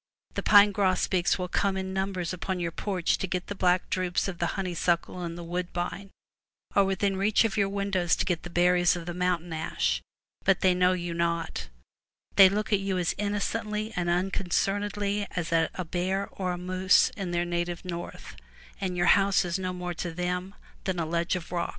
The pine grosbeaks will come in numbers upon your porch to get the black drupes of the honey suckle and the woodbine, or within reach of your windows to get the berries of the mountain ash, but they know you not; they look at you as innocently and unconcernedly as at a bear or moose in their native north, and your house is no more to them than a ledge of rocks.